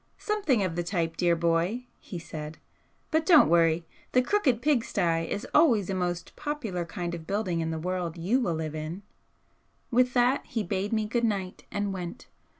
'Something of the type, dear boy!' he said 'But don't worry! The crooked pigstye is always a most popular kind of building in the world you will live in!' With that he bade me good night, and went.